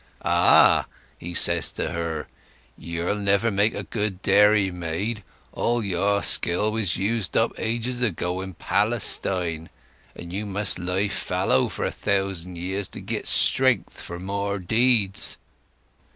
'Ah!' he says to her, 'you'll never make a good dairymaid! All your skill was used up ages ago in Palestine, and you must lie fallow for a thousand years to git strength for more deeds!